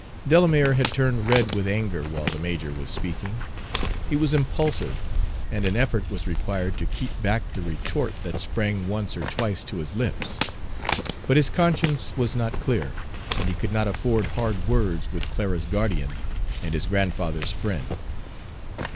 Delamere had turned red with anger while the major was speaking. He was impulsive, and an effort was required to keep back the retort that sprang once or twice to his lips; but his conscience was not clear, and he could not afford hard words with Clara's guardian and his grandfather's friend.